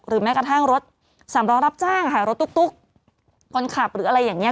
แม้กระทั่งรถสามล้อรับจ้างค่ะรถตุ๊กคนขับหรืออะไรอย่างนี้